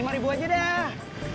lima ribu aja dah